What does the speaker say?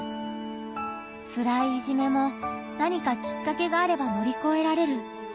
つらいいじめも何かきっかけがあれば乗り越えられる。